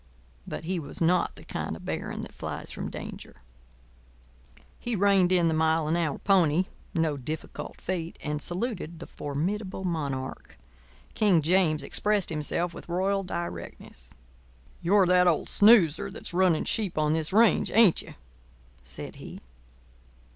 But he was not the kind of baron that flies from danger. He reined in the mile an hour pony (no difficult feat), and saluted the formidable monarch. King James expressed himself with royal directness. "You're that old snoozer that's running sheep on this range, ain't you?" said he.